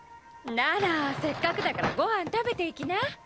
ならせっかくだからご飯食べていきな。